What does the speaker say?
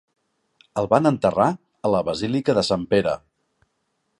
El van enterrar a la basílica de Sant Pere.